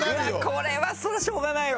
これはそりゃしょうがないわ。